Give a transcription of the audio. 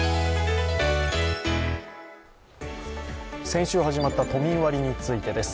先週始まった都民割についてです。